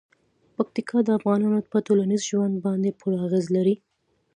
پکتیکا د افغانانو په ټولنیز ژوند باندې پوره اغېز لري.